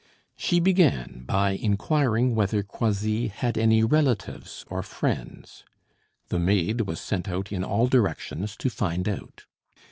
She began by inquiring whether Croisilles had any relatives or friends; the maid was sent out in all directions to find out.